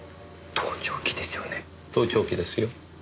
盗聴器ですよ。